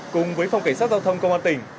cùng với phòng cảnh sát giao thông công an tỉnh